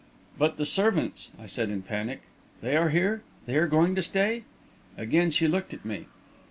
"But the servants," I said, in a panic, "they are here? They are going to stay?" Again she looked at me.